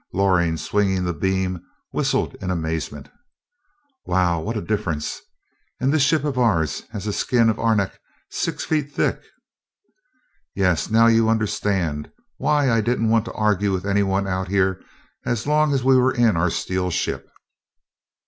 Loring, swinging the beam, whistled in amazement. "Wow! What a difference! And this ship of ours has a skin of arenak six feet thick!" "Yes. Now you understand why I didn't want to argue with anybody out here as long as we were in our steel ship."